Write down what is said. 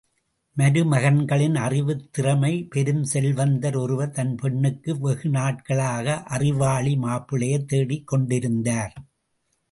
மருமகன்களின் அறிவுத் திறமை பெருஞ் செல்வந்தர் ஒருவர் தன் பெண்ணுக்கு வெகு நாட்களாக ஒரு அறிவாளி மாப்பிள்ளையைத்தேடிக் கொண்டிருந்தார்.